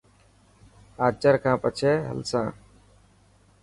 اچر کان پڇي هلسان.